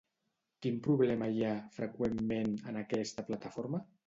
Quin problema hi ha, freqüentment, en aquesta plataforma?